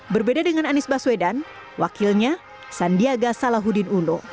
berbeda dengan anies baswedan wakilnya sandiaga salahuddin uno